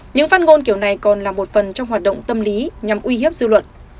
những phát ngôn kiểu này còn là một phần trong hoạt động tâm lý nhằm uy hiếp dư luận